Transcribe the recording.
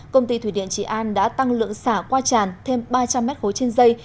công ty thủy điện trị an đã tăng lượng xả qua tràn thêm ba trăm linh m ba trên dây